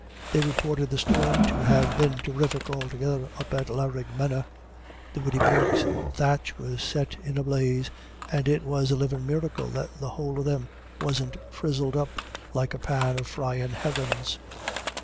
They reported the storm to have been terrific altogether up at Laraghmena. The Widdy Bourke's thatch was set in a blaze, "and it was a livin' miracle that the whole of them wasn't frizzled up like a pan of fryin' herrin's."